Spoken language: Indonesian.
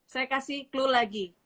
saya kasih clue lagi